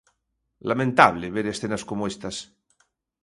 Lamentable ver escenas como estas.